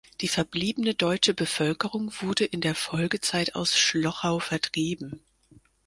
Die verbliebene deutsche Bevölkerung wurde in der Folgezeit aus Schlochau vertrieben.